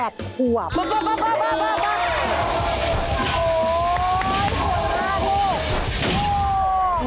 โอ้โฮหัวหน้าด้วย